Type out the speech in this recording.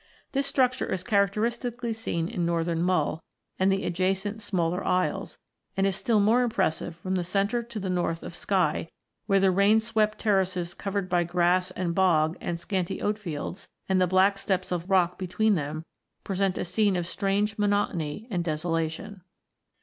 This struc ture is characteristically seen in northern Mull and the adjacent smaller isles, and is still more impressive from the centre to the north of Skye, where the rain swept terraces covered by grass and bog and scanty oatfields, and the black steps of rock between them, present a scene of strange monotony and desolation.